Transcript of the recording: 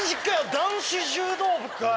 男子柔道部かよ。